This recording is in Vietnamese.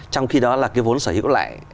trong khi đó là cái vốn sở hữu lại